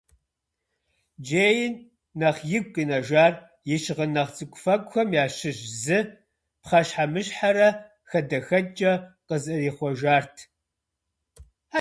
Джейн нэхъ игу къинэжар и щыгъын нэхъ цӏыкӏуфэкӏухэм ящыщ зы пхъэщхьэмыщхьэрэ хадэхэкӏкӏэ къызэрихъуэжарт.